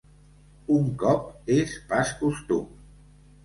Un cop és pas costum.